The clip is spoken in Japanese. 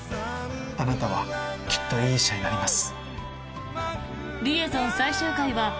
あなたはきっといい医者になります。